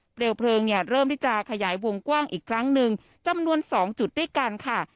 เพลิงเนี่ยเริ่มที่จะขยายวงกว้างอีกครั้งหนึ่งจำนวน๒จุดด้วยกันค่ะ